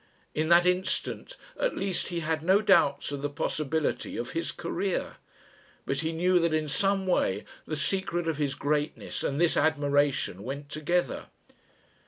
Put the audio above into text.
In that instant, at least he had no doubts of the possibility of his Career. But he knew that in some way the secret of his greatness and this admiration went together.